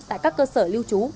tại các cơ sở lưu trú